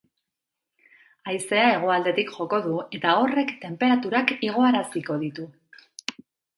Haizea hegoaldetik joko du, eta horrek tenperaturak igoaraziko ditu.